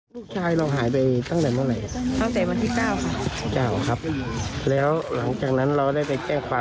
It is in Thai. ลูกนี้มันเป็นเส้อยโมงกันบาทจะใส่ประจำ